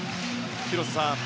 広瀬さん